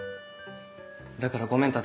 だからごめん橘。